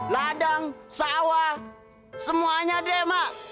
ladang sawah semuanya deh mak